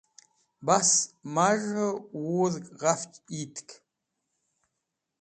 bas maz̃h'ey vudg ghafch yitk